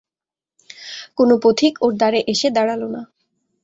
কোনো পথিক ওর দ্বারে এসে দাঁড়াল না।